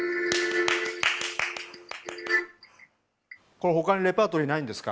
これほかにレパートリーないんですか？